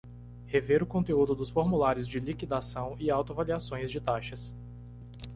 Rever o conteúdo dos formulários de liquidação e auto-avaliações de taxas.